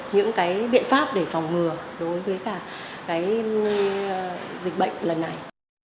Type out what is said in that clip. những biện pháp để phòng ngừa đối với dịch bệnh lần này